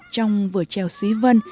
trong vừa trèo suy vân